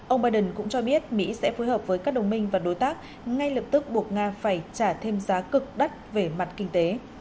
ông biden cũng cho biết mỹ sẽ phối hợp với các đồng minh và đối tác ngay lập tức buộc nga phải trả thêm giá cực đắt về mặt kinh tế